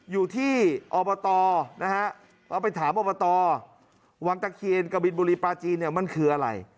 อยู่ที่อบตนะฮะเอาไปถามอบตวังตะเคียนกบินบุรีปลาจีนเนี่ยมันคืออะไร